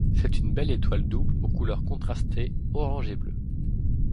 C’est une belle étoile double aux couleurs contrastées, orange et bleu.